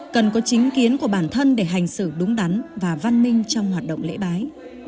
cần có chính kiến của bản thân để hành sự đúng đắn và văn minh trong hoạt động lễ bái